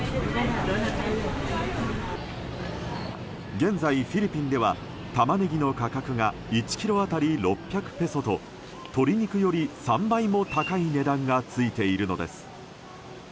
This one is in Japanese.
現在、フィリピンではタマネギの価格が１ｋｇ当たり６００ペソと鶏肉より３倍も高い値段がついているのです。